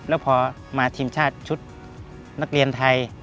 แล้วพอมาทีมชาติชุดนักเรียนไทย